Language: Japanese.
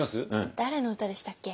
誰の歌でしたっけ？